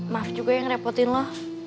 maaf juga yang repotin loh